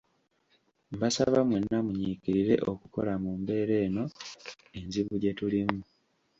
Mbasaba mwenna munyiikirire okukola mu mbeera eno enzibu gye tulimu.